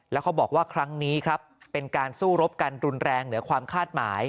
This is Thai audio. แล้วเขาบอกว่าครั้งนี้ครับเป็นการสู้รบกันรุนแรงเหนือความคาดหมาย